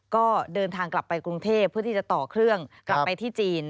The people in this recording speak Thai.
ก็เดินทางกลับไปกรุงเทพเพื่อที่จะต่อเครื่องกลับไปที่จีน